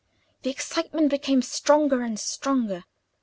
The excitement became stronger and stronger.